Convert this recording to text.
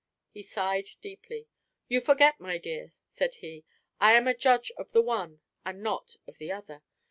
He sighed deeply. "You forget, my dear," said he, "I am a judge of the one, and not of the other.